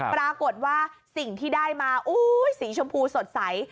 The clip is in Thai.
ปรากฏว่าสิ่งที่ได้มาสีชมพูสดใส